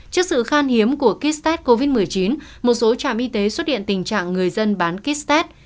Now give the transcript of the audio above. trước sự khan hiếm của kit test covid một mươi chín một số trạm y tế xuất hiện tình trạng người dân bán kit test